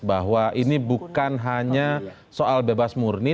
bahwa ini bukan hanya soal bebas murni